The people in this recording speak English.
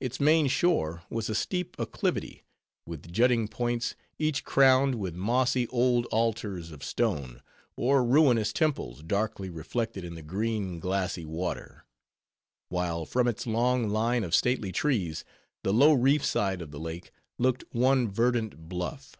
Its main shore was a steep acclivity, with jutting points, each crowned with mossy old altars of stone, or ruinous temples, darkly reflected in the green, glassy water; while, from its long line of stately trees, the low reef side of the lake looked one verdant bluff.